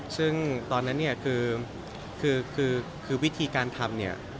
ซึ่งตอนนั้นคือวิธีการทำ